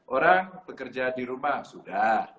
orang pekerja di rumah sudah